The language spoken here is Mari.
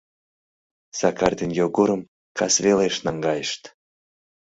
Сакар ден Йогорым кас велеш наҥгайышт.